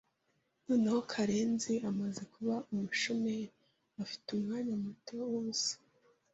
Noneho Karenzi amaze kuba umushomeri, afite umwanya muto wubusa.